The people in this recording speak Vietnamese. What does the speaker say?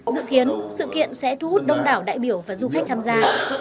dự kiến sự kiện sẽ thu hút đông đảo đại biểu và du khách tham gia